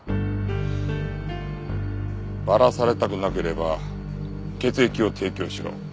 バラされたくなければ血液を提供しろ。